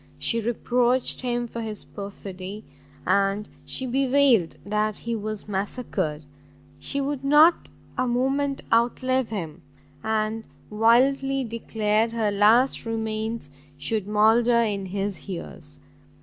She reproached him for his perfidy, she bewailed that he was massacred, she would not a moment out live him, and wildly declared her last remains should moulder in his hearse!